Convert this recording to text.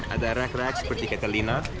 ada rack rack seperti catalina